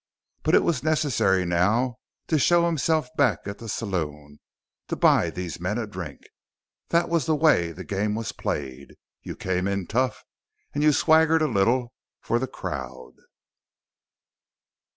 But it was necessary now to show himself back at the saloon, to buy these men a drink. That was the way the game was played. You came in tough. And you swaggered a little for the crowd.